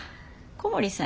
小森さん